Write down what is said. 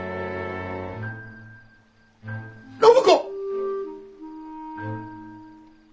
暢子！